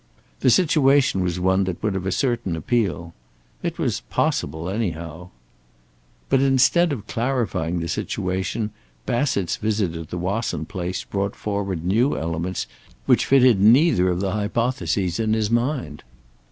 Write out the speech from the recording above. The situation was one that would have a certain appeal. It was possible, anyhow: But instead of clarifying the situation Bassett's visit at the Wasson place brought forward new elements which fitted neither of the hypotheses in his mind.